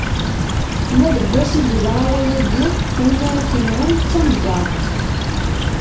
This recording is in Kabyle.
Ma deg wass i d-iḍra wayagi, win ara t-inɣen, d tamgerṭ.